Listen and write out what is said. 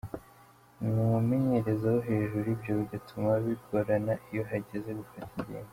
Ni umumenyereza wo hejuru ivyo bigatuma bigorana iyo hageze gufata ingingo.